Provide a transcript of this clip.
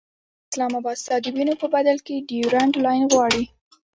اسلام اباد ستا د وینو په بدل کې ډیورنډ لاین غواړي.